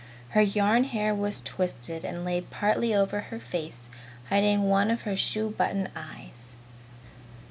Her yarn hair was twisted and lay partly over her face, hiding one of her shoe button eyes.